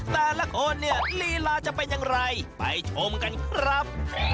แต่ละคนเนี่ยลีลาจะเป็นอย่างไรไปชมกันครับ